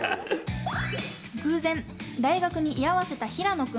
偶然、大学に居合わせた平野君。